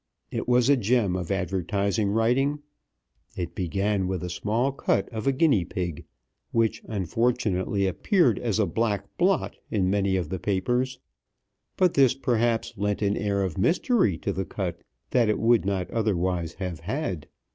It was a gem of advertising writing. It began with a small cut of a guinea pig, which, unfortunately, appeared as a black blot in many of the papers; but this, perhaps, lent an air of mystery to the cut that it would not otherwise have had.